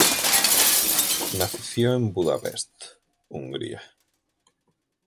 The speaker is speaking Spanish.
Nació en Budapest, Hungría.